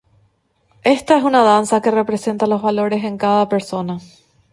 Esta es una danza que representa los valores en cada persona.